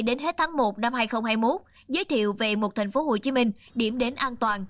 đến hết tháng một năm hai nghìn hai mươi một giới thiệu về một thành phố hồ chí minh điểm đến an toàn